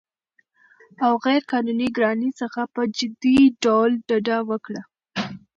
او غیرقانوني ګرانۍ څخه په جدي ډول ډډه وکړي